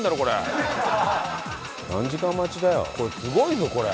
これすごいぞこれ。